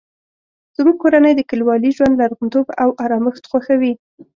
زموږ کورنۍ د کلیوالي ژوند لرغونتوب او ارامښت خوښوي